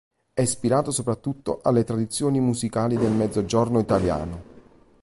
È ispirato soprattutto alle tradizioni musicali del Mezzogiorno italiano.